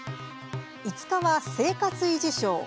５日は「生活維持省」。